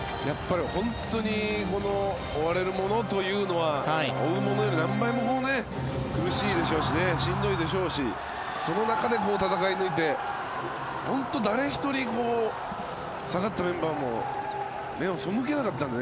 本当に追われる者というのは追う者より何倍も苦しいでしょうししんどいでしょうしその中で戦い抜いて本当に誰一人下がったメンバーも目を背けなかったのでね